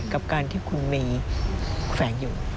กับการที่คุณมีแขวนอยู่